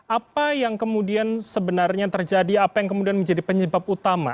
apa yang kemudian sebenarnya terjadi apa yang kemudian menjadi penyebab utama